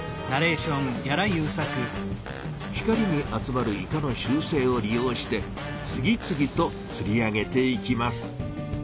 光に集まるイカの習せいを利用してつぎつぎとつり上げていきます。